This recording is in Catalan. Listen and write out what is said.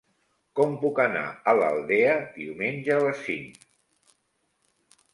Com puc anar a l'Aldea diumenge a les cinc?